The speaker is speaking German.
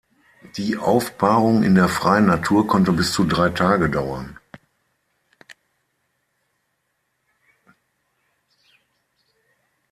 Die Aufbahrung in der freien Natur konnte bis zu drei Tage dauern.